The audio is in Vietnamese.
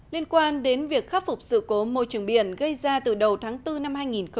liên quan đến việc khắc phục sự cố môi trường biển gây ra từ đầu tháng bốn năm hai nghìn hai mươi